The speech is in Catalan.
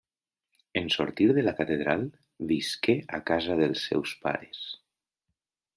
En sortir de la catedral, visqué a casa dels seus pares.